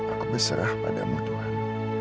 aku berserah padamu tuhan